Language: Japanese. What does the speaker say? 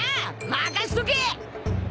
任せとけ！